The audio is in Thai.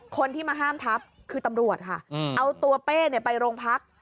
คนที่มาห้ามทับคือตำรวจค่ะเอาตัวเป้ไปโรงพัก